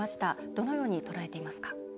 どのように捉えていますか？